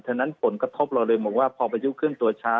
ฉะนั้นผลกระทบเราเลยบอกว่าพอพายุเคลื่อนตัวช้า